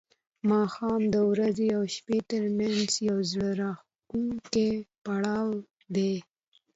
ماښام د ورځې او شپې ترمنځ یو زړه راښکونکی پړاو دی.